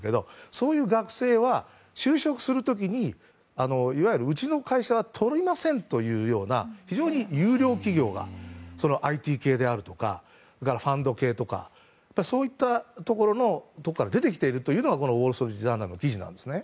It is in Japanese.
そういう学生は就職する時にいわゆるうちの会社は採りませんというような非常に優良企業がＩＴ系やファンド系とかそういったところから出てきているというのがウォール・ストリート・ジャーナルの記事なんですね。